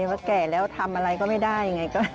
ว่าแก่แล้วทำอะไรก็ไม่ได้ไง